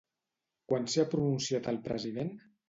Quan s'hi ha pronunciat el president?